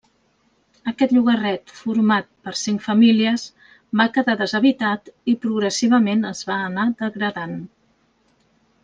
Aquest llogarret, format per cinc famílies, va quedar deshabitat i progressivament es va anar degradant.